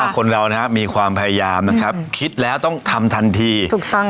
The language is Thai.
คนเรานะครับมีความพยายามนะครับคิดแล้วต้องทำทันทีถูกต้อง